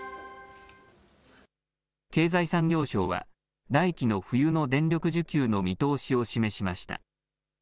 経済産業省は、来季の冬の電力需給の見通しを示しました。